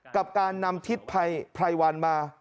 กับการนำทิศพรายวรรณมา